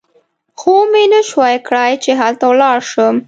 خو ومې نه شوای کړای چې هلته ولاړ شم.